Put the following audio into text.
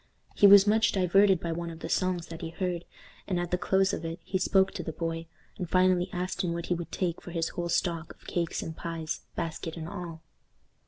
He was much diverted by one of the songs that he heard, and at the close of it he spoke to the boy, and finally asked him what he would take for his whole stock of cakes and pies, basket and all.